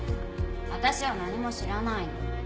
私は何も知らないの。